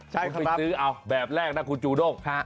ใช่ครับครับคุณไปซื้อเอาแบบแรกนะคุณจูด้งค่ะ